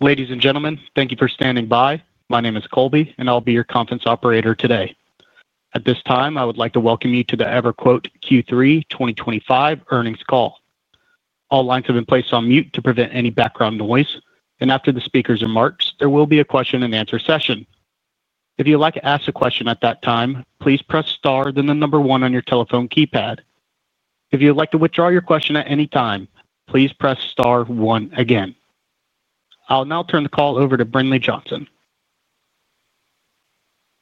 Ladies and gentlemen, thank you for standing by. My name is Colby, and I'll be your conference operator today. At this time, I would like to welcome you to the EverQuote Q3 2025 Earnings Call. All lines have been placed on mute to prevent any background noise, and after the speakers are marked, there will be a question-and-answer session. If you'd like to ask a question at that time, please press star then the number one on your telephone keypad. If you'd like to withdraw your question at any time, please press star one again. I'll now turn the call over to Brinlea Johnson.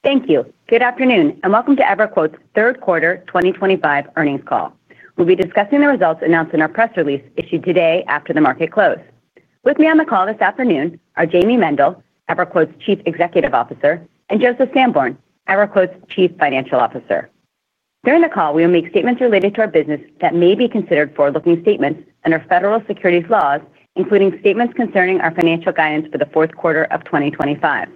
Thank you. Good afternoon, and welcome to EverQuote's Third Quarter 2025 Earnings Call. We'll be discussing the results announced in our press release issued today after the market close. With me on the call this afternoon are Jayme Mendal, EverQuote's Chief Executive Officer, and Joseph Sanborn, EverQuote's Chief Financial Officer. During the call, we will make statements related to our business that may be considered forward-looking statements under federal securities laws, including statements concerning our financial guidance for the fourth quarter of 2025.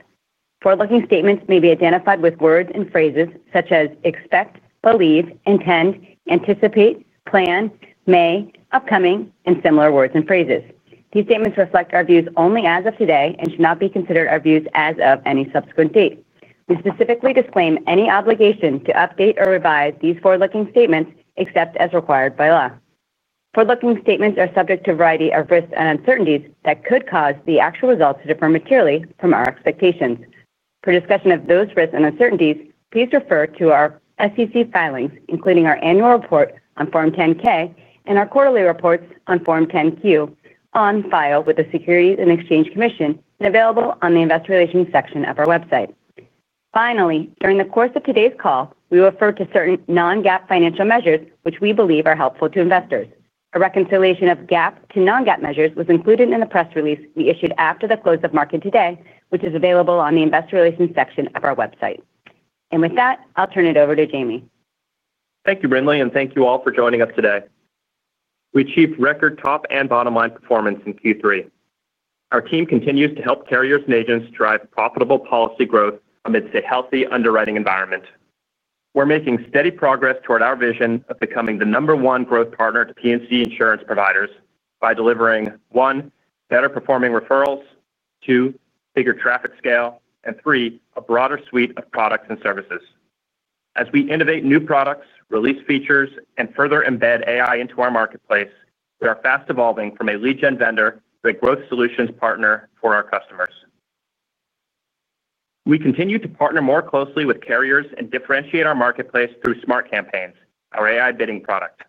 Forward-looking statements may be identified with words and phrases such as expect, believe, intend, anticipate, plan, may, upcoming, and similar words and phrases. These statements reflect our views only as of today and should not be considered our views as of any subsequent date. We specifically disclaim any obligation to update or revise these forward-looking statements except as required by law. Forward-looking statements are subject to a variety of risks and uncertainties that could cause the actual results to differ materially from our expectations. For discussion of those risks and uncertainties, please refer to our SEC filings, including our annual report on Form 10-K and our quarterly reports on Form 10-Q, on file with the Securities and Exchange Commission and available on the investor relations section of our website. Finally, during the course of today's call, we refer to certain non-GAAP financial measures, which we believe are helpful to investors. A reconciliation of GAAP to non-GAAP measures was included in the press release we issued after the close of market today, which is available on the investor relations section of our website. With that, I'll turn it over to Jayme. Thank you, Brinlea, and thank you all for joining us today. We achieved record top and bottom-line performance in Q3. Our team continues to help carriers and agents drive profitable policy growth amidst a healthy underwriting environment. We're making steady progress toward our vision of becoming the number one growth partner to P&C insurance providers by delivering, one, better-performing referrals; two, bigger traffic scale; and three, a broader suite of products and services. As we innovate new products, release features, and further embed AI into our marketplace, we are fast-evolving from a lead-gen vendor to a growth solutions partner for our customers. We continue to partner more closely with carriers and differentiate our marketplace through SmartCampaigns, our AI bidding product.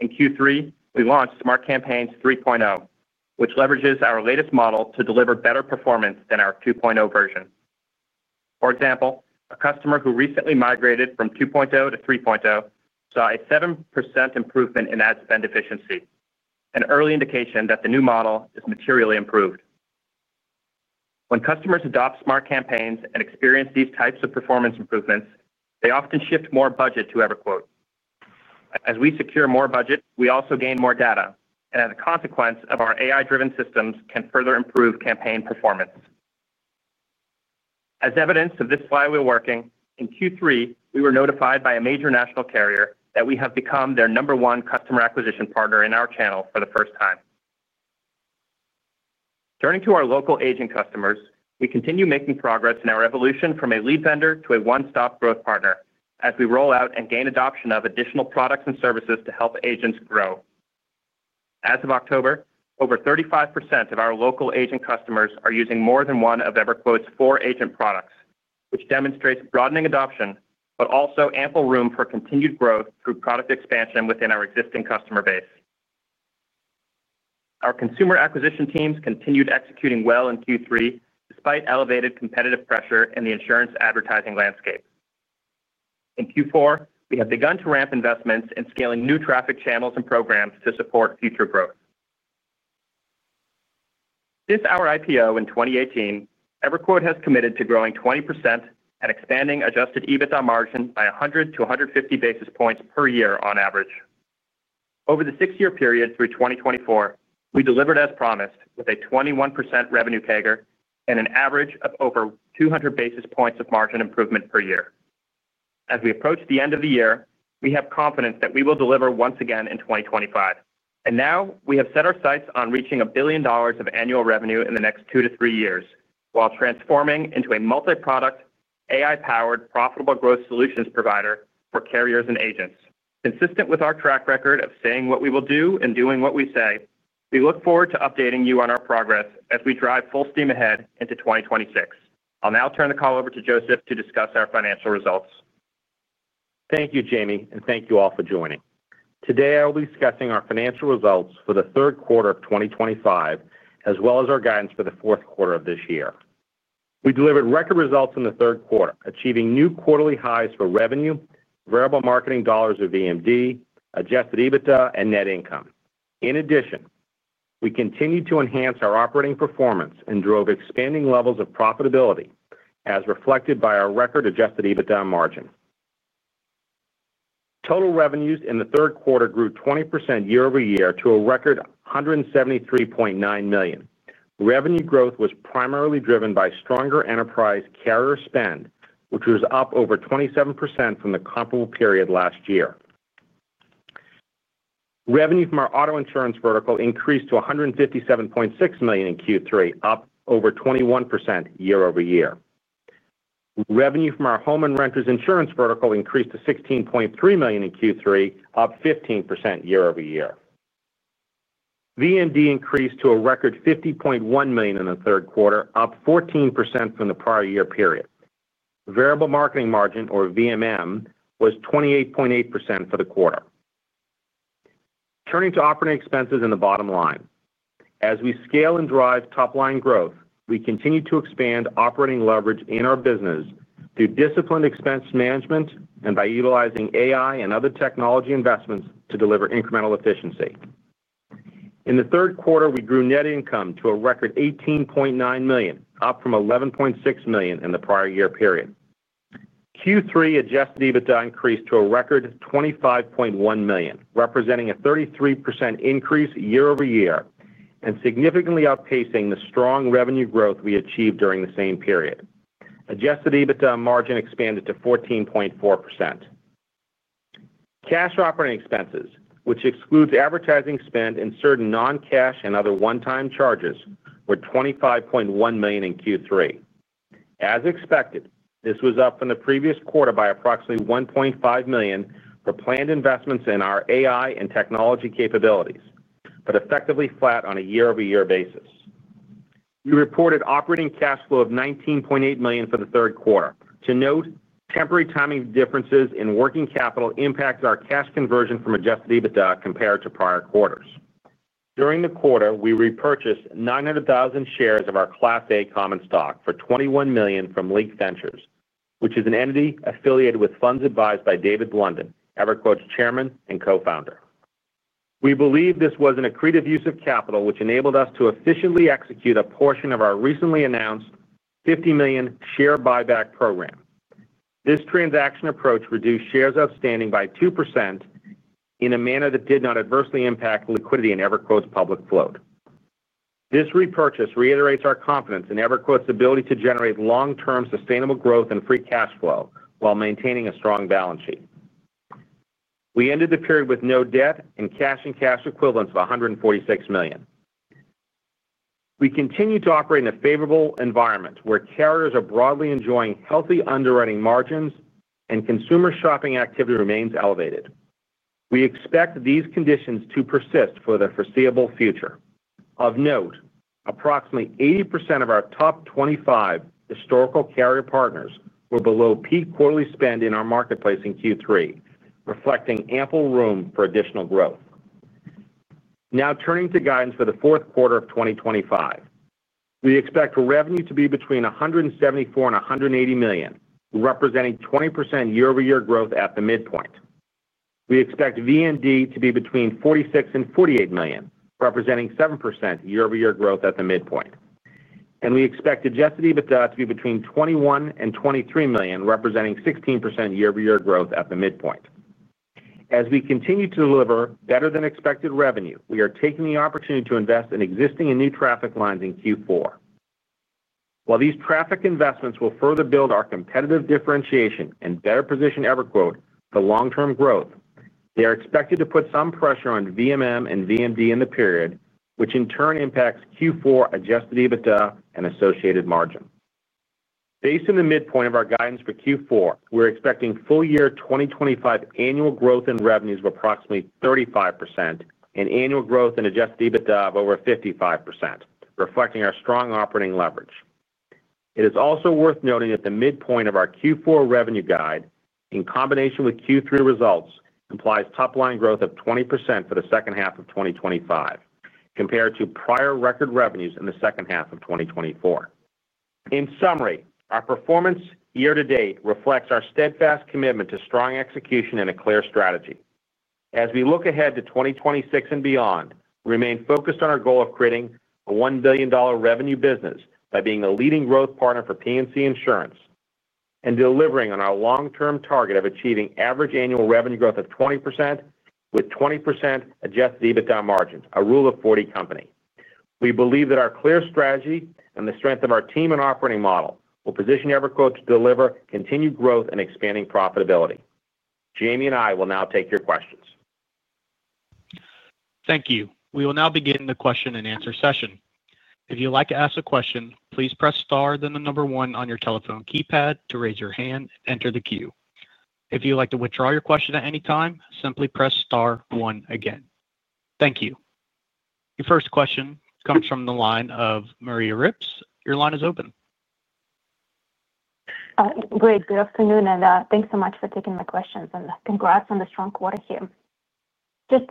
In Q3, we launched SmartCampaigns 3.0, which leverages our latest model to deliver better performance than our 2.0 version. For example, a customer who recently migrated from 2.0-3.0 saw a 7% improvement in ad spend efficiency, an early indication that the new model is materially improved. When customers adopt SmartCampaigns and experience these types of performance improvements, they often shift more budget to EverQuote. As we secure more budget, we also gain more data, and as a consequence, our AI-driven systems can further improve campaign performance. As evidence of this flywheel working, in Q3, we were notified by a major national carrier that we have become their number one customer acquisition partner in our channel for the first time. Turning to our local agent customers, we continue making progress in our evolution from a lead vendor to a one-stop growth partner as we roll out and gain adoption of additional products and services to help agents grow. As of October, over 35% of our local agent customers are using more than one of EverQuote's four agent products, which demonstrates broadening adoption but also ample room for continued growth through product expansion within our existing customer base. Our consumer acquisition teams continued executing well in Q3 despite elevated competitive pressure in the insurance advertising landscape. In Q4, we have begun to ramp investments and scale new traffic channels and programs to support future growth. Since our IPO in 2018, EverQuote has committed to growing 20% and expanding adjusted EBITDA margin by 100-150 basis points per year on average. Over the six-year period through 2024, we delivered as promised with a 21% revenue CAGR and an average of over 200 basis points of margin improvement per year. As we approach the end of the year, we have confidence that we will deliver once again in 2025. Now, we have set our sights on reaching a billion dollars of annual revenue in the next two to three years while transforming into a multi-product, AI-powered, profitable growth solutions provider for carriers and agents. Consistent with our track record of saying what we will do and doing what we say, we look forward to updating you on our progress as we drive full steam ahead into 2026. I'll now turn the call over to Joseph to discuss our financial results. Thank you, Jayme, and thank you all for joining. Today, I will be discussing our financial results for the third quarter of 2025, as well as our guidance for the fourth quarter of this year. We delivered record results in the third quarter, achieving new quarterly highs for revenue, variable marketing dollars or VMD, adjusted EBITDA, and net income. In addition, we continued to enhance our operating performance and drove expanding levels of profitability, as reflected by our record adjusted EBITDA margin. Total revenues in the third quarter grew 20% year-over-year to a record $173.9 million. Revenue growth was primarily driven by stronger enterprise carrier spend, which was up over 27% from the comparable period last year. Revenue from our auto insurance vertical increased to $157.6 million in Q3, up over 21% year-over-year. Revenue from our home and renters insurance vertical increased to $16.3 million in Q3, up 15% year-over-year. VMD increased to a record $50.1 million in the third quarter, up 14% from the prior year period. Variable marketing margin, or VMM, was 28.8% for the quarter. Turning to operating expenses and the bottom line. As we scale and drive top-line growth, we continue to expand operating leverage in our business through disciplined expense management and by utilizing AI and other technology investments to deliver incremental efficiency. In the third quarter, we grew net income to a record $18.9 million, up from $11.6 million in the prior year period. Q3 adjusted EBITDA increased to a record $25.1 million, representing a 33% increase year-over-year and significantly outpacing the strong revenue growth we achieved during the same period. Adjusted EBITDA margin expanded to 14.4%. Cash operating expenses, which excludes advertising spend and certain non-cash and other one-time charges, were $25.1 million in Q3. As expected, this was up from the previous quarter by approximately $1.5 million for planned investments in our AI and technology capabilities, but effectively flat on a year-over-year basis. We reported operating cash flow of $19.8 million for the third quarter. To note, temporary timing differences in working capital impact our cash conversion from adjusted EBITDA compared to prior quarters. During the quarter, we repurchased 900,000 shares of our Class A common stock for $21 million from Link Ventures, which is an entity affiliated with Funds advised by David Blundin, EverQuote's Chairman and Co-founder. We believe this was an accretive use of capital, which enabled us to efficiently execute a portion of our recently announced $50 million share buyback program. This transaction approach reduced shares outstanding by 2% in a manner that did not adversely impact liquidity in EverQuote's public float. This repurchase reiterates our confidence in EverQuote's ability to generate long-term sustainable growth and free cash flow while maintaining a strong balance sheet. We ended the period with no debt and cash and cash equivalents of $146 million. We continue to operate in a favorable environment where carriers are broadly enjoying healthy underwriting margins and consumer shopping activity remains elevated. We expect these conditions to persist for the foreseeable future. Of note, approximately 80% of our top 25 historical carrier partners were below peak quarterly spend in our marketplace in Q3, reflecting ample room for additional growth. Now, turning to guidance for the fourth quarter of 2025, we expect revenue to be between $174 million and $180 million, representing 20% year-over-year growth at the midpoint. We expect VMD to be between $46 million and $48 million, representing 7% year-over-year growth at the midpoint. We expect adjusted EBITDA to be between $21 million and $23 million, representing 16% year-over-year growth at the midpoint. As we continue to deliver better-than-expected revenue, we are taking the opportunity to invest in existing and new traffic lines in Q4. While these traffic investments will further build our competitive differentiation and better position EverQuote for long-term growth, they are expected to put some pressure on VMM and VMD in the period, which in turn impacts Q4 adjusted EBITDA and associated margin. Based on the midpoint of our guidance for Q4, we're expecting full-year 2025 annual growth in revenues of approximately 35% and annual growth in adjusted EBITDA of over 55%, reflecting our strong operating leverage. It is also worth noting that the midpoint of our Q4 revenue guide, in combination with Q3 results, implies top-line growth of 20% for the second half of 2025, compared to prior record revenues in the second half of 2024. In summary, our performance year to date reflects our steadfast commitment to strong execution and a clear strategy. As we look ahead to 2026 and beyond, we remain focused on our goal of creating a $1 billion revenue business by being a leading growth partner for P&C insurance and delivering on our long-term target of achieving average annual revenue growth of 20% with 20% adjusted EBITDA margin, a Rule of 40 company. We believe that our clear strategy and the strength of our team and operating model will position EverQuote to deliver continued growth and expanding profitability. Jayme and I will now take your questions. Thank you. We will now begin the question-and-answer session. If you'd like to ask a question, please press star then the number one on your telephone keypad to raise your hand and enter the queue. If you'd like to withdraw your question at any time, simply press star one again. Thank you. Your first question comes from the line of Maria Ripps. Your line is open. Great. Good afternoon, and thanks so much for taking my questions, and congrats on the strong quarter here. Just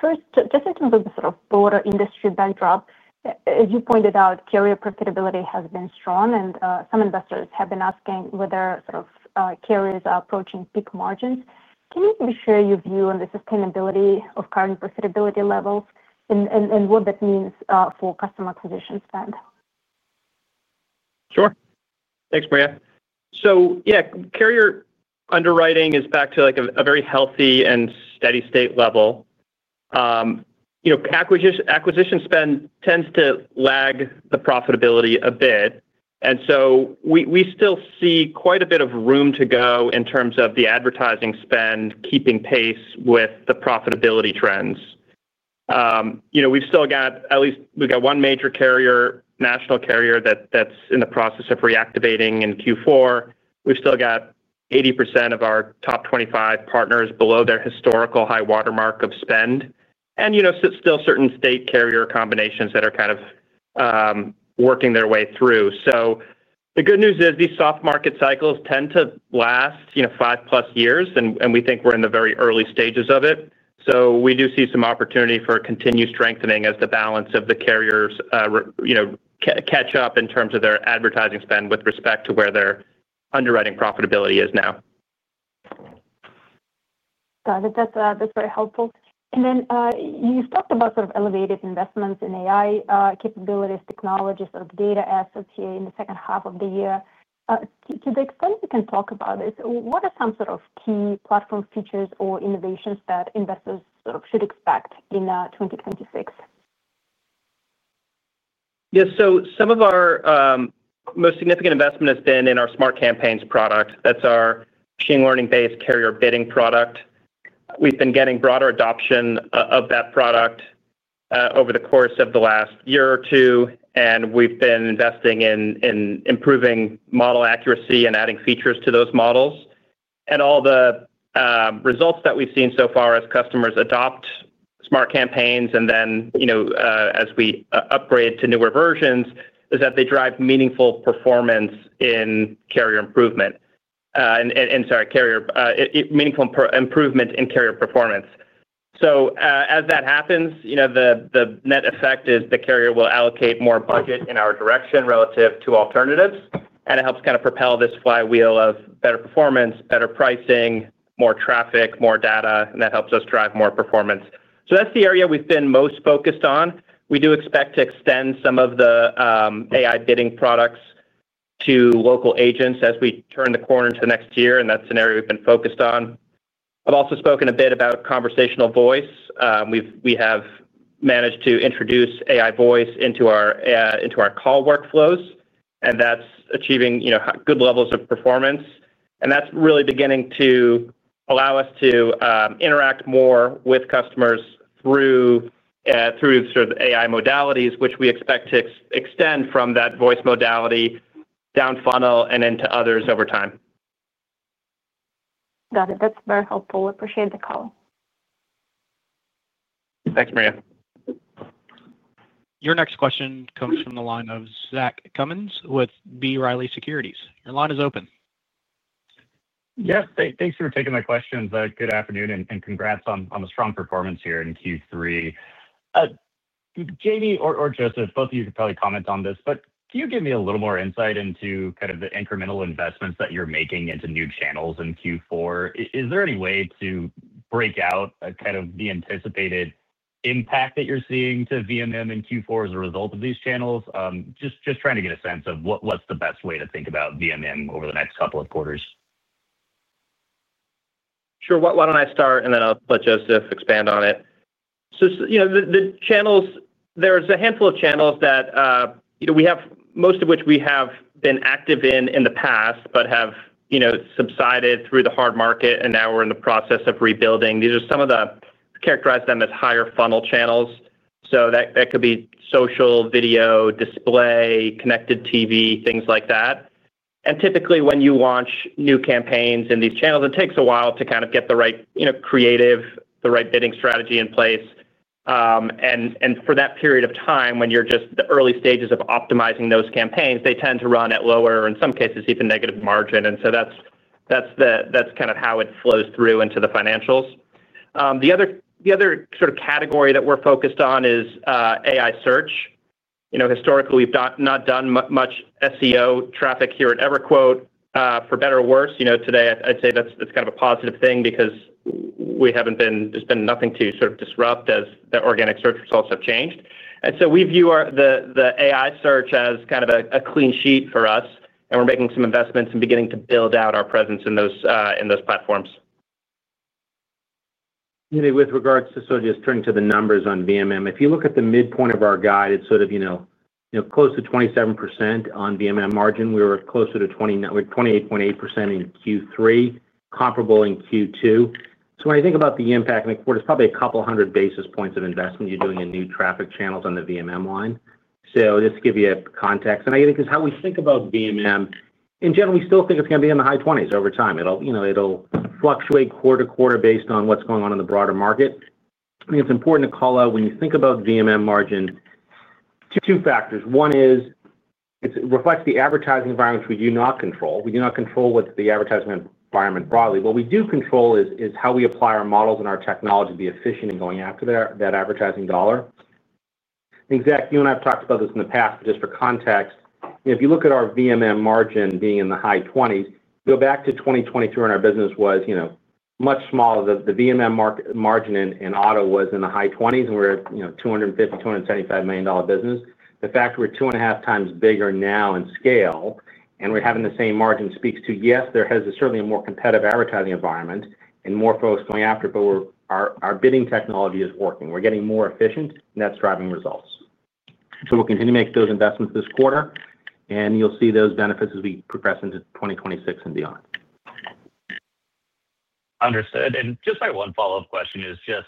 first, just in terms of the sort of broader industry backdrop, as you pointed out, carrier profitability has been strong, and some investors have been asking whether sort of carriers are approaching peak margins. Can you maybe share your view on the sustainability of current profitability levels and what that means for customer acquisition spend? Sure. Thanks, Maria. Yeah, carrier underwriting is back to a very healthy and steady-state level. Acquisition spend tends to lag the profitability a bit. We still see quite a bit of room to go in terms of the advertising spend keeping pace with the profitability trends. We've still got, at least we've got one major carrier, national carrier, that's in the process of reactivating in Q4. We've still got 80% of our top 25 partners below their historical high watermark of spend and still certain state carrier combinations that are kind of working their way through. The good news is these soft market cycles tend to last 5+ years, and we think we're in the very early stages of it. We do see some opportunity for continued strengthening as the balance of the carriers catch up in terms of their advertising spend with respect to where their underwriting profitability is now. Got it. That's very helpful. Then you've talked about sort of elevated investments in AI capabilities, technologies, sort of data assets here in the second half of the year. To the extent we can talk about this, what are some sort of key platform features or innovations that investors sort of should expect in 2026? Yeah. Some of our most significant investment has been in our SmartCampaigns product. That's our machine learning-based carrier bidding product. We've been getting broader adoption of that product over the course of the last year or two, and we've been investing in improving model accuracy and adding features to those models. All the results that we've seen so far as customers adopt SmartCampaigns and then as we upgrade to newer versions is that they drive meaningful performance in carrier improvement. Sorry, meaningful improvement in carrier performance. As that happens, the net effect is the carrier will allocate more budget in our direction relative to alternatives, and it helps kind of propel this flywheel of better performance, better pricing, more traffic, more data, and that helps us drive more performance. That's the area we've been most focused on. We do expect to extend some of the AI bidding products to local agents as we turn the corner into the next year, and that's an area we've been focused on. I've also spoken a bit about conversational voice. We have managed to introduce AI voice into our call workflows, and that's achieving good levels of performance. That's really beginning to allow us to interact more with customers through sort of AI modalities, which we expect to extend from that voice modality down funnel and into others over time. Got it. That's very helpful. Appreciate the call. Thanks, Maria. Your next question comes from the line of Zach Cummins with B. Riley Securities. Your line is open. Yes. Thanks for taking my questions. Good afternoon and congrats on the strong performance here in Q3. Jayme or Joseph, both of you could probably comment on this, but can you give me a little more insight into kind of the incremental investments that you're making into new channels in Q4? Is there any way to break out kind of the anticipated impact that you're seeing to VMM in Q4 as a result of these channels? Just trying to get a sense of what's the best way to think about VMM over the next couple of quarters. Sure. Why don't I start, and then I'll let Joseph expand on it. The channels, there's a handful of channels that we have, most of which we have been active in in the past but have subsided through the hard market, and now we're in the process of rebuilding. These are some of the, characterize them as higher funnel channels. That could be social, video, display, connected TV, things like that. Typically, when you launch new campaigns in these channels, it takes a while to kind of get the right creative, the right bidding strategy in place. For that period of time, when you're just in the early stages of optimizing those campaigns, they tend to run at lower, in some cases, even negative margin. That's kind of how it flows through into the financials. The other sort of category that we're focused on is AI search. Historically, we've not done much SEO traffic here at EverQuote. For better or worse, today, I'd say that's kind of a positive thing because we haven't been, there's been nothing to sort of disrupt as the organic search results have changed. We view the AI search as kind of a clean sheet for us, and we're making some investments and beginning to build out our presence in those platforms. With regards to, so just turning to the numbers on VMM, if you look at the midpoint of our guide, it's sort of close to 27% on VMM margin. We were closer to 28.8% in Q3, comparable in Q2. When I think about the impact in the quarter, it's probably a couple hundred basis points of investment you're doing in new traffic channels on the VMM line. Just to give you context, and I think it's how we think about VMM. In general, we still think it's going to be in the high 20s over time. It'll fluctuate quarter to quarter based on what's going on in the broader market. I think it's important to call out when you think about VMM margin, two factors. One is it reflects the advertising environment which we do not control. We do not control what the advertising environment broadly. What we do control is how we apply our models and our technology to be efficient in going after that advertising dollar. And Zach, you and I have talked about this in the past, but just for context, if you look at our VMM margin being in the high 20s, go back to 2023 when our business was much smaller. The VMM margin in auto was in the high 20s, and we were a $250 million-$275 million business. The fact that we're two and a half times bigger now in scale and we're having the same margin speaks to, yes, there has certainly been a more competitive advertising environment and more folks going after, but our bidding technology is working. We're getting more efficient, and that's driving results. We'll continue to make those investments this quarter, and you'll see those benefits as we progress into 2026 and beyond. Understood. Just my one follow-up question is just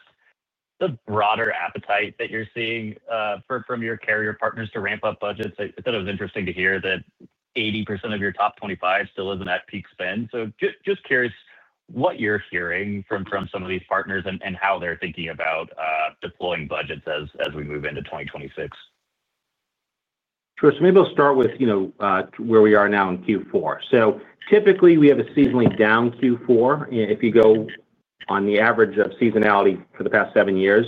the broader appetite that you're seeing from your carrier partners to ramp up budgets. I thought it was interesting to hear that 80% of your top 25 still isn't at peak spend. Just curious what you're hearing from some of these partners and how they're thinking about deploying budgets as we move into 2026. Sure. Maybe I'll start with where we are now in Q4. Typically, we have a seasonally down Q4. If you go on the average of seasonality for the past seven years,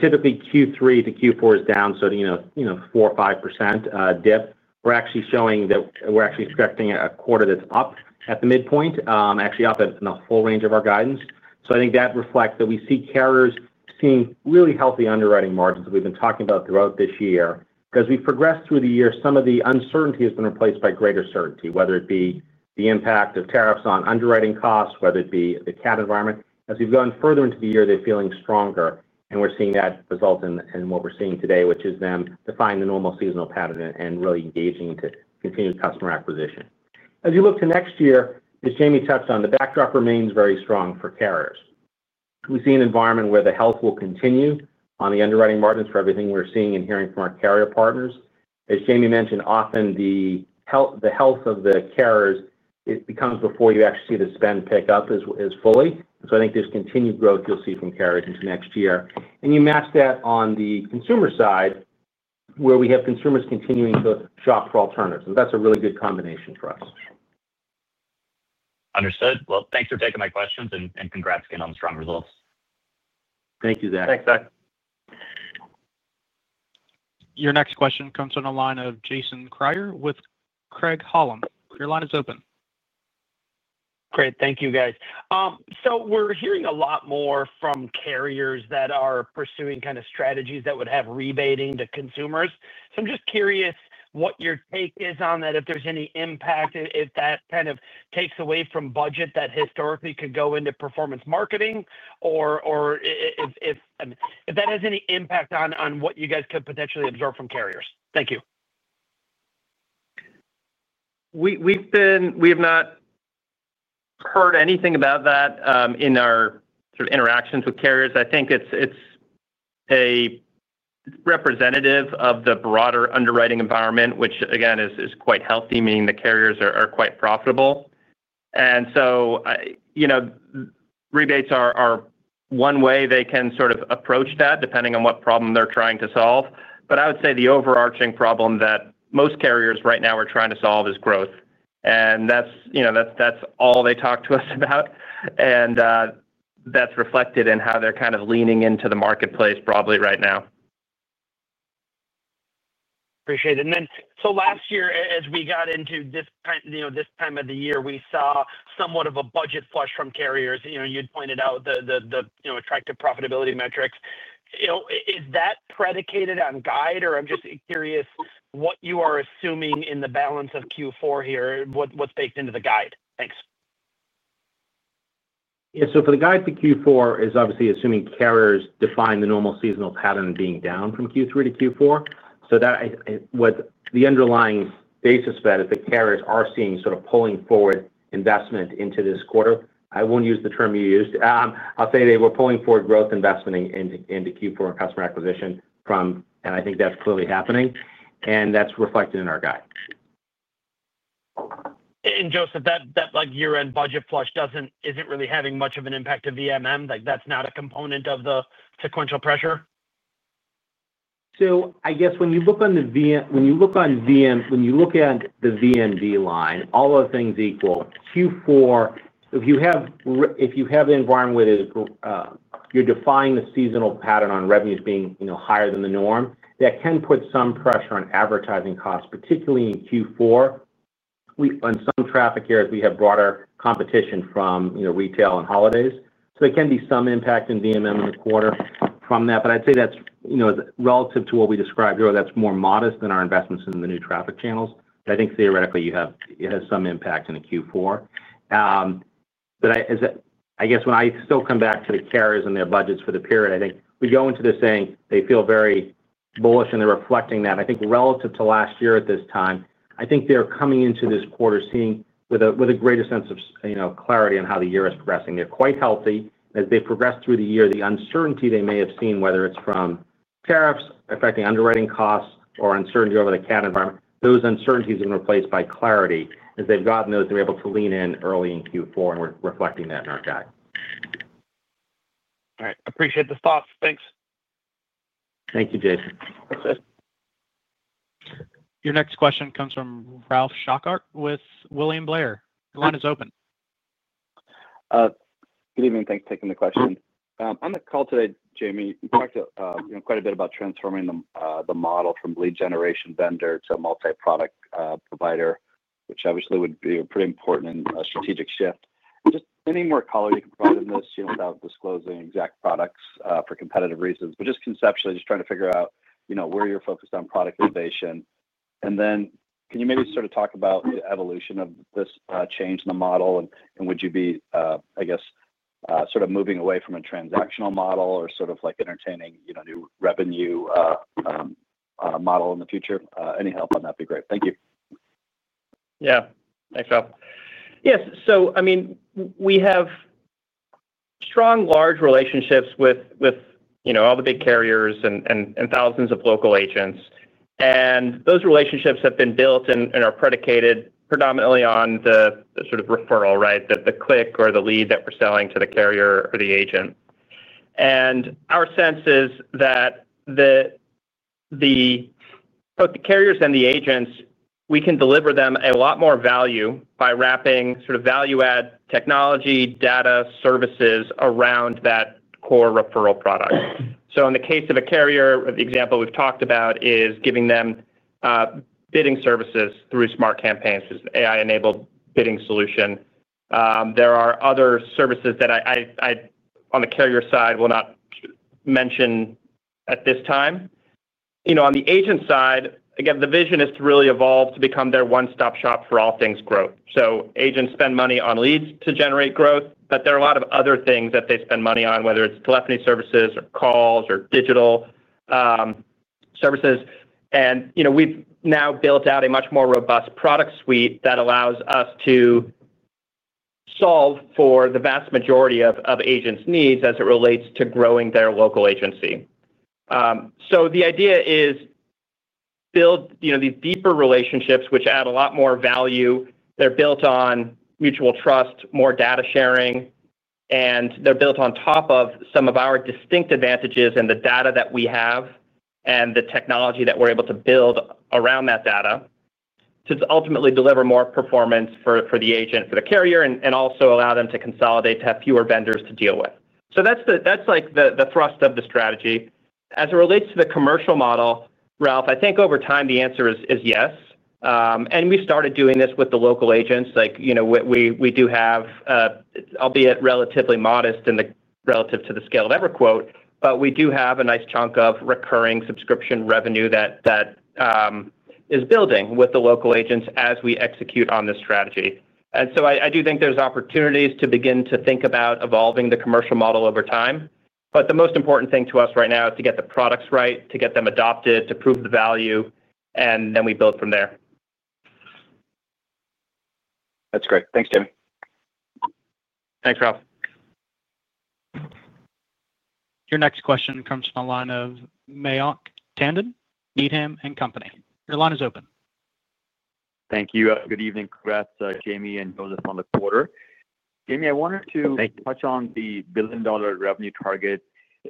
typically Q3 to Q4 is down, so 4%-5% dip. We're actually showing that we're actually expecting a quarter that's up at the midpoint, actually up in the full range of our guidance. I think that reflects that we see carriers seeing really healthy underwriting margins that we've been talking about throughout this year. As we progress through the year, some of the uncertainty has been replaced by greater certainty, whether it be the impact of tariffs on underwriting costs, whether it be the CAD environment. As we've gone further into the year, they're feeling stronger, and we're seeing that result in what we're seeing today, which is them defying the normal seasonal pattern and really engaging to continue customer acquisition. As you look to next year, as Jayme touched on, the backdrop remains very strong for carriers. We see an environment where the health will continue on the underwriting margins for everything we're seeing and hearing from our carrier partners. As Jayme mentioned, often the health of the carriers comes before you actually see the spend pick up as fully. I think there's continued growth you'll see from carriers into next year. You match that on the consumer side, where we have consumers continuing to shop for alternatives. That's a really good combination for us. Understood. Thanks for taking my questions and congrats again on the strong results. Thank you, Zach. Thanks, Zach. Your next question comes from the line of Jason Kreyer with Craig-Hallum. Your line is open. Great. Thank you, guys. We're hearing a lot more from carriers that are pursuing kind of strategies that would have rebating to consumers. I'm just curious what your take is on that, if there's any impact, if that kind of takes away from budget that historically could go into performance marketing, or if that has any impact on what you guys could potentially absorb from carriers. Thank you. We've not heard anything about that in our sort of interactions with carriers. I think it's a representative of the broader underwriting environment, which, again, is quite healthy, meaning the carriers are quite profitable. Rebates are one way they can sort of approach that, depending on what problem they're trying to solve. I would say the overarching problem that most carriers right now are trying to solve is growth. That's all they talk to us about. That's reflected in how they're kind of leaning into the marketplace broadly right now. Appreciate it. Last year, as we got into this time of the year, we saw somewhat of a budget flush from carriers. You had pointed out the attractive profitability metrics. Is that predicated on guide, or I am just curious what you are assuming in the balance of Q4 here, what is baked into the guide? Thanks. Yeah. For the guide to Q4, it's obviously assuming carriers define the normal seasonal pattern of being down from Q3 to Q4. The underlying basis for that is that carriers are seeing sort of pulling forward investment into this quarter. I won't use the term you used. I'll say they were pulling forward growth investment into Q4 and customer acquisition from. I think that's clearly happening, and that's reflected in our guide. Joseph, that year-end budget flush isn't really having much of an impact to VMM? That's not a component of the sequential pressure? I guess when you look on the VM, when you look at the VMB line, all of things equal, Q4, if you have an environment where you're defying the seasonal pattern on revenues being higher than the norm, that can put some pressure on advertising costs, particularly in Q4. In some traffic areas, we have broader competition from retail and holidays. There can be some impact in VMM in the quarter from that. I'd say that's, relative to what we described earlier, more modest than our investments in the new traffic channels. I think theoretically, it has some impact in Q4. I guess when I still come back to the carriers and their budgets for the period, I think we go into this saying they feel very bullish, and they're reflecting that. Relative to last year at this time, I think they're coming into this quarter with a greater sense of clarity on how the year is progressing. They're quite healthy. As they progress through the year, the uncertainty they may have seen, whether it's from tariffs affecting underwriting costs or uncertainty over the CAD environment, those uncertainties have been replaced by clarity. As they've gotten those, they're able to lean in early in Q4, and we're reflecting that in our guide. All right. Appreciate the thoughts. Thanks. Thank you, Jason. Your next question comes from Ralph Schackart with William Blair. The line is open. Good evening. Thanks for taking the question. On the call today, Jayme, you talked quite a bit about transforming the model from lead generation vendor to a multi-product provider, which obviously would be a pretty important strategic shift. Just any more color you can provide on this without disclosing exact products for competitive reasons, but just conceptually, just trying to figure out where you're focused on product innovation. Then can you maybe sort of talk about the evolution of this change in the model? Would you be, I guess, sort of moving away from a transactional model or sort of entertaining a new revenue model in the future? Any help on that would be great. Thank you. Yeah. Thanks, Ralph. Yes. I mean, we have strong, large relationships with all the big carriers and thousands of local agents. Those relationships have been built and are predicated predominantly on the sort of referral, right, the click or the lead that we're selling to the carrier or the agent. Our sense is that the carriers and the agents, we can deliver them a lot more value by wrapping sort of value-add technology, data, services around that core referral product. In the case of a carrier, the example we've talked about is giving them bidding services through SmartCampaigns, which is an AI-enabled bidding solution. There are other services that on the carrier side we will not mention at this time. On the agent side, again, the vision is to really evolve to become their one-stop shop for all things growth. Agents spend money on leads to generate growth, but there are a lot of other things that they spend money on, whether it's telephony services or calls or digital services. We've now built out a much more robust product suite that allows us to solve for the vast majority of agents' needs as it relates to growing their local agency. The idea is to build these deeper relationships, which add a lot more value. They're built on mutual trust, more data sharing, and they're built on top of some of our distinct advantages and the data that we have and the technology that we're able to build around that data to ultimately deliver more performance for the agent, for the carrier, and also allow them to consolidate, to have fewer vendors to deal with. That's the thrust of the strategy. As it relates to the commercial model, Ralph, I think over time, the answer is yes. We started doing this with the local agents. We do have, albeit relatively modest relative to the scale of EverQuote, but we do have a nice chunk of recurring subscription revenue that is building with the local agents as we execute on this strategy. I do think there's opportunities to begin to think about evolving the commercial model over time. The most important thing to us right now is to get the products right, to get them adopted, to prove the value, and then we build from there. That's great. Thanks, Jayme. Thanks, Ralph. Your next question comes from the line of Mayank Tandon, Needham & Company. Your line is open. Thank you. Good evening, congrats, Jayme and Joseph, on the quarter. Jayme, I wanted to touch on the billion-dollar revenue target.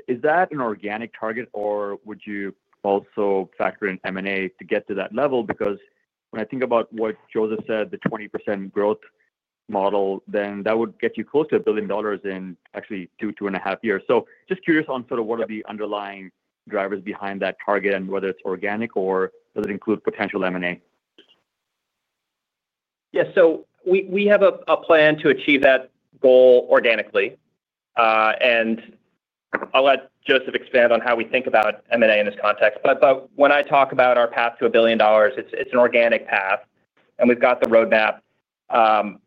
Is that an organic target, or would you also factor in M&A to get to that level? Because when I think about what Joseph said, the 20% growth model, then that would get you close to a billion dollars in actually two, two and a half years. Just curious on sort of what are the underlying drivers behind that target and whether it's organic or does it include potential M&A? Yeah. So we have a plan to achieve that goal organically. I'll let Joseph expand on how we think about M&A in this context. When I talk about our path to a billion dollars, it's an organic path. We've got the roadmap. On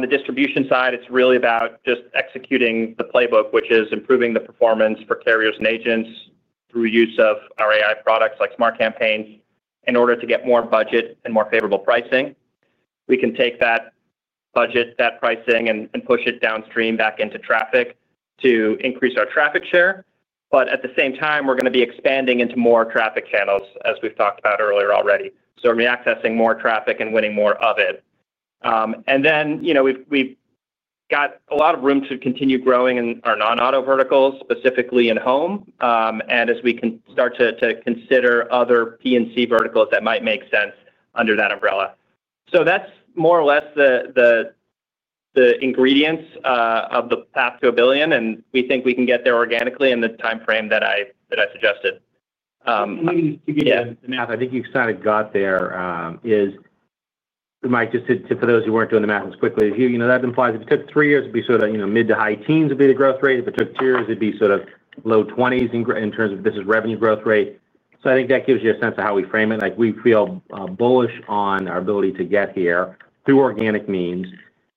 the distribution side, it's really about just executing the playbook, which is improving the performance for carriers and agents through use of our AI products like SmartCampaigns in order to get more budget and more favorable pricing. We can take that budget, that pricing, and push it downstream back into traffic to increase our traffic share. At the same time, we're going to be expanding into more traffic channels, as we've talked about earlier already. We're going to be accessing more traffic and winning more of it. We've got a lot of room to continue growing in our non-auto verticals, specifically in home, and as we can start to consider other P&C verticals that might make sense under that umbrella. That's more or less the ingredients of the path to a billion. We think we can get there organically in the timeframe that I suggested. Maybe to give you the math, I think you kind of got there, is. For those who were not doing the math as quickly, that implies if it took three years, it would be sort of mid to high teens would be the growth rate. If it took two years, it would be sort of low 20s in terms of this is revenue growth rate. I think that gives you a sense of how we frame it. We feel bullish on our ability to get here through organic means.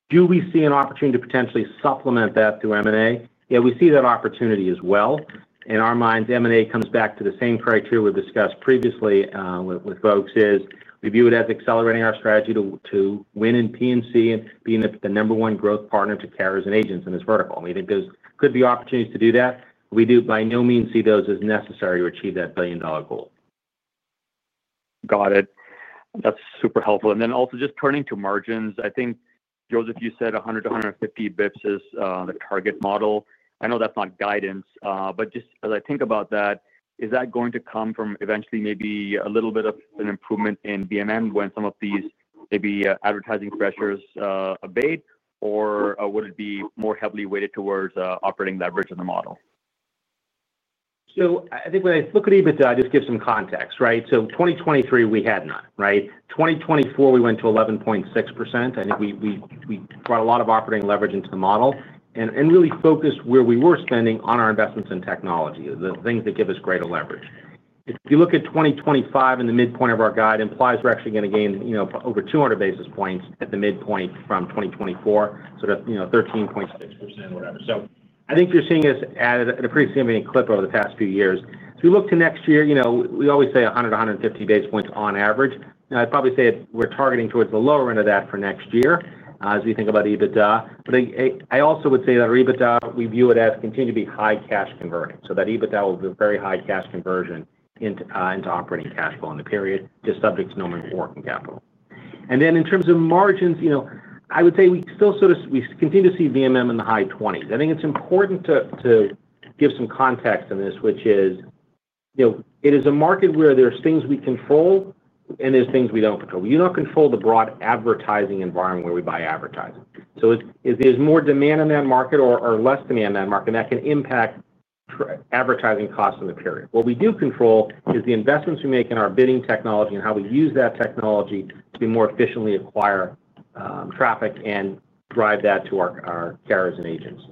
Do we see an opportunity to potentially supplement that through M&A? Yeah, we see that opportunity as well. In our minds, M&A comes back to the same criteria we have discussed previously with folks, is we view it as accelerating our strategy to win in P&C and being the number one growth partner to carriers and agents in this vertical. We think there could be opportunities to do that. We do by no means see those as necessary to achieve that billion-dollar goal. Got it. That's super helpful. Also, just turning to margins, I think, Joseph, you said 100-150 basis points is the target model. I know that's not guidance. Just as I think about that, is that going to come from eventually maybe a little bit of an improvement in VMM when some of these maybe advertising pressures abate, or would it be more heavily weighted towards operating leverage in the model? I think when I look at it, I just give some context, right? In 2023, we had none, right? In 2024, we went to 11.6%. I think we brought a lot of operating leverage into the model and really focused where we were spending on our investments in technology, the things that give us greater leverage. If you look at 2025 in the midpoint of our guide, it implies we're actually going to gain over 200 basis points at the midpoint from 2024, sort of 13.6%, whatever. I think you're seeing us at a pretty significant clip over the past few years. If you look to next year, we always say 100-150 basis points on average. I'd probably say we're targeting towards the lower end of that for next year as we think about EBITDA. I also would say that our EBITDA, we view it as continuing to be high cash converting. That EBITDA will be very high cash conversion into operating cash flow in the period, just subject to no more working capital. In terms of margins, I would say we still sort of continue to see VMM in the high 20s. I think it's important to give some context in this, which is, it is a market where there are things we control and there are things we don't control. We do not control the broad advertising environment where we buy advertising. If there's more demand in that market or less demand in that market, that can impact advertising costs in the period. What we do control is the investments we make in our bidding technology and how we use that technology to more efficiently acquire traffic and drive that to our carriers and agents.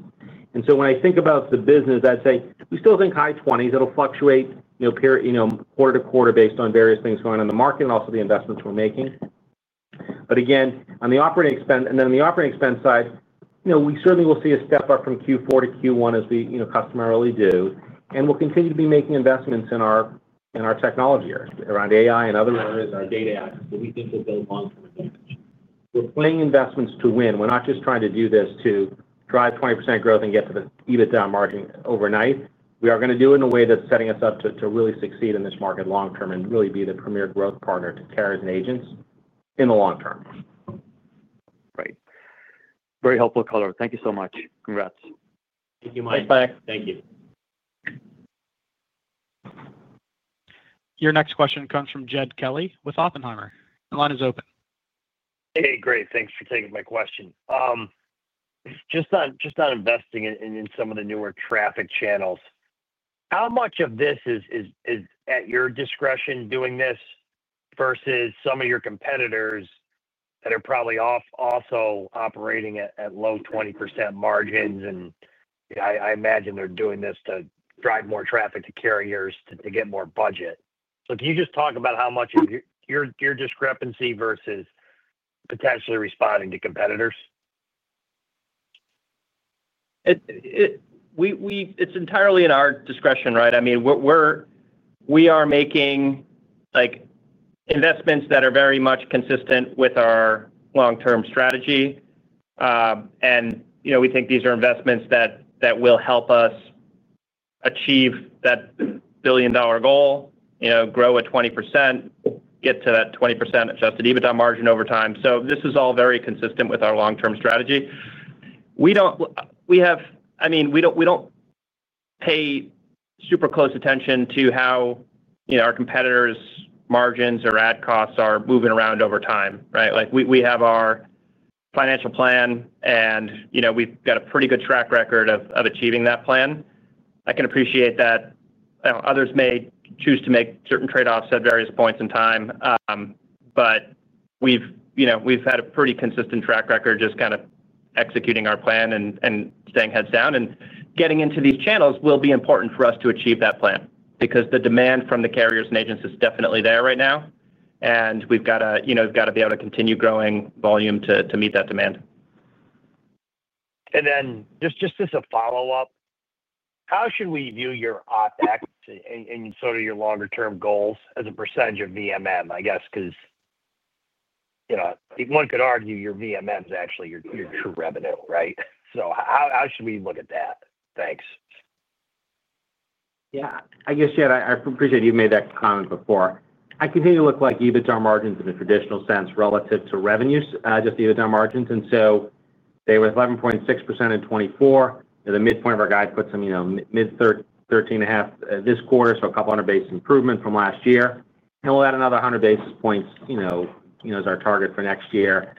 When I think about the business, I'd say we still think high 20s. It'll fluctuate quarter-to-quarter based on various things going on in the market and also the investments we're making. Again, on the operating expense side, we certainly will see a step up from Q4 to Q1 as we customarily do. We'll continue to be making investments in our technology areas, around AI and other areas, our data access that we think will build long-term advantage. We're playing investments to win. We're not just trying to do this to drive 20% growth and get to the EBITDA margin overnight. We are going to do it in a way that's setting us up to really succeed in this market long-term and really be the premier growth partner to carriers and agents in the long term. Right. Very helpful color. Thank you so much. Congrats. Thank you, Mike. Thanks, Mike. Thank you. Your next question comes from Jed Kelly with Oppenheimer. The line is open. Hey, great. Thanks for taking my question. Just on investing in some of the newer traffic channels, how much of this is at your discretion doing this versus some of your competitors that are probably also operating at low 20% margins? I imagine they're doing this to drive more traffic to carriers to get more budget. Can you just talk about how much of your discrepancy versus potentially responding to competitors? It's entirely in our discretion, right? I mean, we are making investments that are very much consistent with our long-term strategy. And we think these are investments that will help us achieve that billion-dollar goal, grow at 20%, get to that 20% adjusted EBITDA margin over time. This is all very consistent with our long-term strategy. I mean, we do not pay super close attention to how our competitors' margins or ad costs are moving around over time, right? We have our financial plan, and we've got a pretty good track record of achieving that plan. I can appreciate that others may choose to make certain trade-offs at various points in time. We have had a pretty consistent track record just kind of executing our plan and staying heads down. Getting into these channels will be important for us to achieve that plan because the demand from the carriers and agents is definitely there right now. We have got to be able to continue growing volume to meet that demand. Just as a follow-up. How should we view your opt-acts and sort of your longer-term goals as a percentage of VMM, I guess? Because, one could argue your VMM is actually your true revenue, right? How should we look at that? Thanks. Yeah. I guess, Jed, I appreciate you've made that comment before. I continue to look like EBITDA margins in the traditional sense relative to revenues, just EBITDA margins. And so they were at 11.6% in 2024. The midpoint of our guide puts them mid-13.5% this quarter, so a couple 100 basis points improvement from last year. And we'll add another 100 basis points as our target for next year.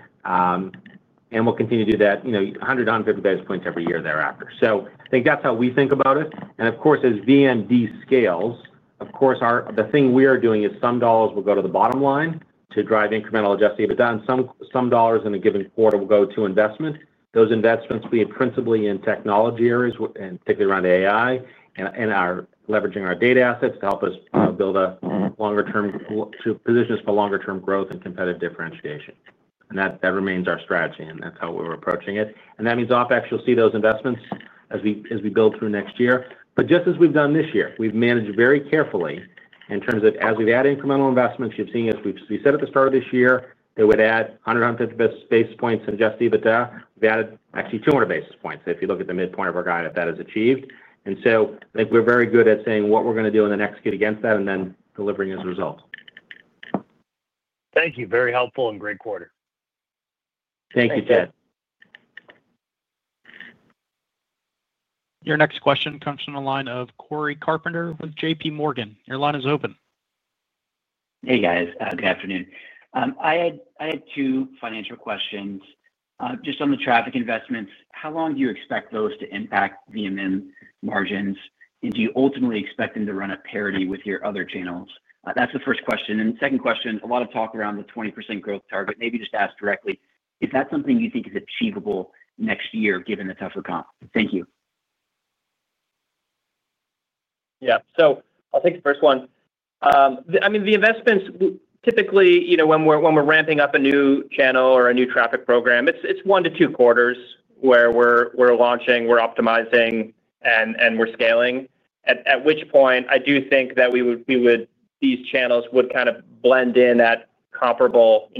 We'll continue to do that, 150 basis points every year thereafter. I think that's how we think about it. Of course, as VMD scales, the thing we are doing is some dollars will go to the bottom line to drive incremental adjusted EBITDA. Some dollars in a given quarter will go to investment. Those investments will be principally in technology areas, particularly around AI and leveraging our data assets to help us build a longer-term position for longer-term growth and competitive differentiation. That remains our strategy, and that's how we're approaching it. That means OpEx, you'll see those investments as we build through next year. Just as we've done this year, we've managed very carefully in terms of as we've added incremental investments, you've seen us. We said at the start of this year that we'd add 150 basis points adjusted EBITDA. We've added actually 200 basis points if you look at the midpoint of our guide if that is achieved. I think we're very good at saying what we're going to do in the next year against that and then delivering as a result. Thank you. Very helpful and great quarter. Thank you, Jed. Your next question comes from the line of Corey Carpenter with JPMorgan. Your line is open. Hey, guys. Good afternoon. I had two financial questions. Just on the traffic investments, how long do you expect those to impact VMM margins? Do you ultimately expect them to run at parity with your other channels? That is the first question. The second question, a lot of talk around the 20% growth target. Maybe just ask directly. Is that something you think is achievable next year given the tougher comp? Thank you. Yeah. I'll take the first one. I mean, the investments, typically, when we're ramping up a new channel or a new traffic program, it's one to two quarters where we're launching, we're optimizing, and we're scaling. At which point, I do think that these channels would kind of blend in at comparable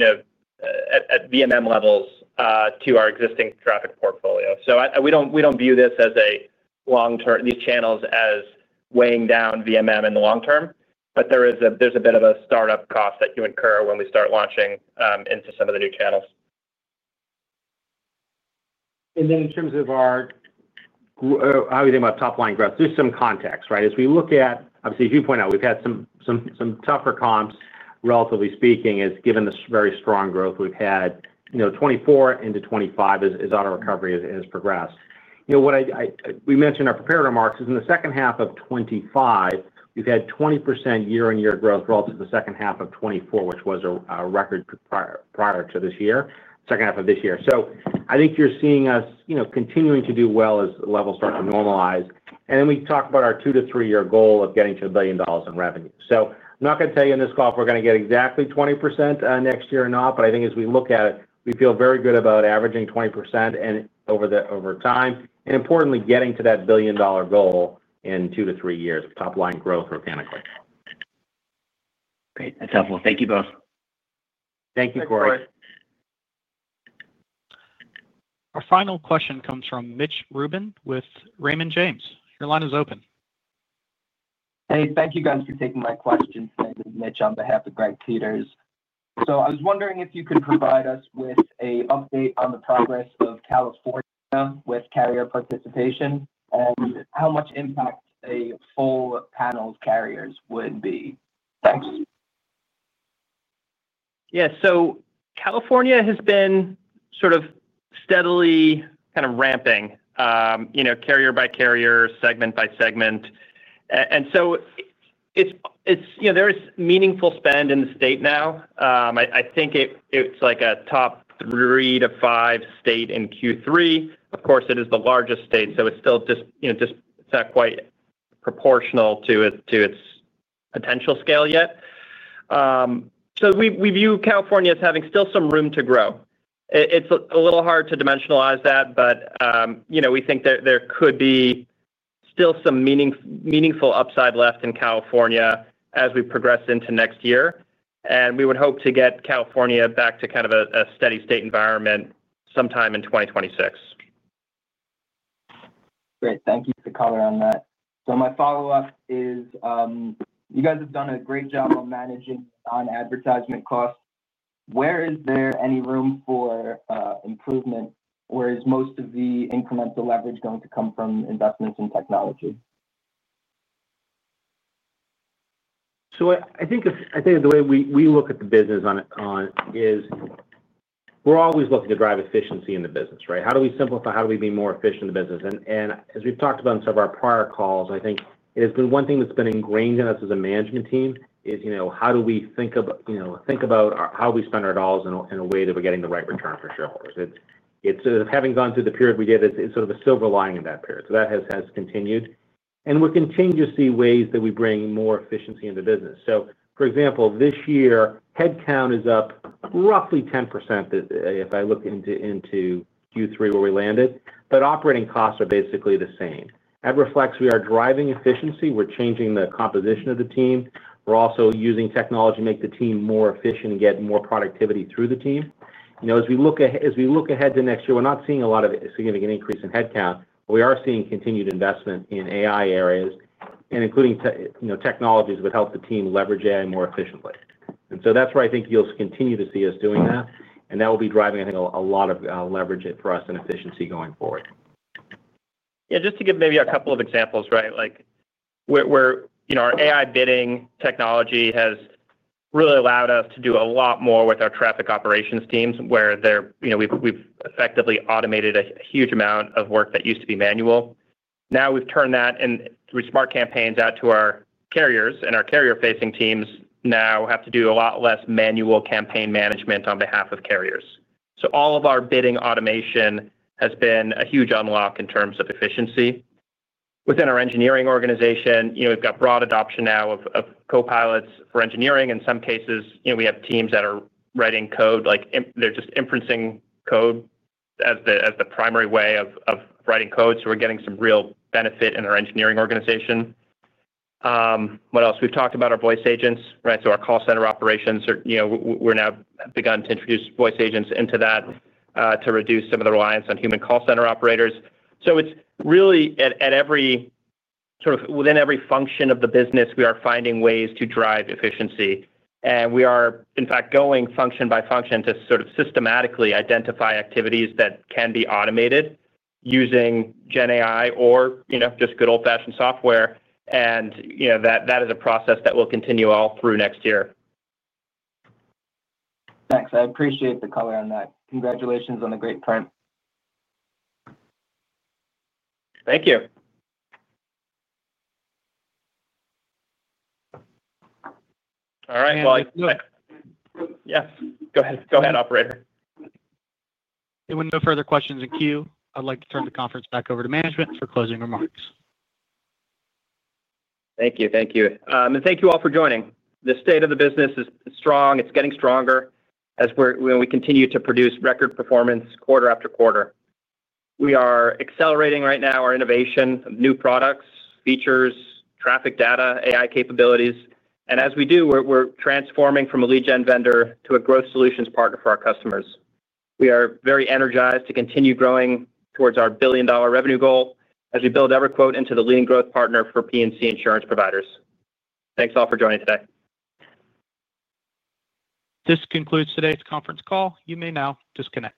VMM levels to our existing traffic portfolio. We don't view these channels as weighing down VMM in the long term. There's a bit of a startup cost that you incur when we start launching into some of the new channels. In terms of how we think about top-line growth, there is some context, right? As we look at, obviously, as you point out, we have had some tougher comps, relatively speaking, given the very strong growth we have had. 2024 into 2025 is on a recovery as progress. We mentioned in our prepared remarks in the second half of 2025, we have had 20% year-on-year growth relative to the second half of 2024, which was a record prior to this year, second half of this year. I think you are seeing us continuing to do well as levels start to normalize. We talk about our two to three-year goal of getting to a billion dollars in revenue. I am not going to tell you in this call if we are going to get exactly 20% next year or not. I think as we look at it, we feel very good about averaging 20% over time, and importantly, getting to that billion-dollar goal in two to three years of top-line growth organically. Great. That's helpful. Thank you both. Thank you, Corey. Our final question comes from Mitch Rubin with Raymond James. Your line is open. Hey, thank you, guys, for taking my questions. My name is Mitch on behalf of Greg Peters. I was wondering if you could provide us with an update on the progress of California with carrier participation and how much impact a full panel of carriers would be. Thanks. Yeah. California has been sort of steadily kind of ramping, carrier by carrier, segment by segment. There is meaningful spend in the state now. I think it is like a top three to five state in Q3. Of course, it is the largest state, so it is still just not quite proportional to its potential scale yet. We view California as having still some room to grow. It is a little hard to dimensionalize that, but we think there could be still some meaningful upside left in California as we progress into next year. We would hope to get California back to kind of a steady state environment sometime in 2026. Great. Thank you for the color on that. My follow-up is, you guys have done a great job of managing non-advertisement costs. Where is there any room for improvement, or is most of the incremental leverage going to come from investments in technology? I think the way we look at the business is, we're always looking to drive efficiency in the business, right? How do we simplify? How do we be more efficient in the business? As we've talked about in some of our prior calls, I think it has been one thing that's been ingrained in us as a management team is how do we think about how we spend our dollars in a way that we're getting the right return for shareholders? Having gone through the period we did, it's sort of a silver lining in that period. That has continued, and we're continuing to see ways that we bring more efficiency into business. For example, this year, headcount is up roughly 10% if I look into Q3 where we landed, but operating costs are basically the same. That reflects we are driving efficiency. We're changing the composition of the team. We're also using technology to make the team more efficient and get more productivity through the team. As we look ahead to next year, we're not seeing a lot of significant increase in headcount, but we are seeing continued investment in AI areas, including technologies that would help the team leverage AI more efficiently. That's where I think you'll continue to see us doing that, and that will be driving, I think, a lot of leverage for us and efficiency going forward. Yeah. Just to give maybe a couple of examples, right? Our AI bidding technology has really allowed us to do a lot more with our traffic operations teams where we've effectively automated a huge amount of work that used to be manual. Now we've turned that and with SmartCampaigns out to our carriers. And our carrier-facing teams now have to do a lot less manual campaign management on behalf of carriers. All of our bidding automation has been a huge unlock in terms of efficiency. Within our engineering organization, we've got broad adoption now of copilots for engineering. In some cases, we have teams that are writing code. They're just inferencing code as the primary way of writing code. We're getting some real benefit in our engineering organization. What else? We've talked about our voice agents, right? Our call center operations, we've now begun to introduce voice agents into that to reduce some of the reliance on human call center operators. It's really at, sort of within every function of the business, we are finding ways to drive efficiency. We are, in fact, going function by function to sort of systematically identify activities that can be automated using GenAI or just good old-fashioned software. That is a process that will continue all through next year. Thanks. I appreciate the color on that. Congratulations on the great print. Thank you. All right. Yes. Go ahead. Go ahead, Operator. With no further questions in queue, I'd like to turn the conference back over to management for closing remarks. Thank you. Thank you all for joining. The state of the business is strong. It's getting stronger as we continue to produce record performance quarter after quarter. We are accelerating right now our innovation of new products, features, traffic data, AI capabilities. As we do, we're transforming from a lead-gen vendor to a growth solutions partner for our customers. We are very energized to continue growing towards our billion-dollar revenue goal as we build EverQuote into the leading growth partner for P&C insurance providers. Thanks all for joining today. This concludes today's conference call. You may now disconnect.